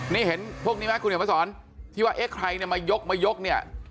นี่เห็นพวกนี้ไหมคุณเห็นมาสอนที่ว่าเอ๊ะใครเนี่ยมายกมายกเนี่ย